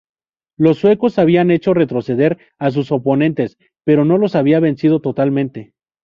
Los suecos habían hecho retroceder a sus oponentes, pero no los habían vencido totalmente.